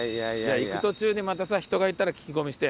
行く途中にまたさ人がいたら聞き込みして。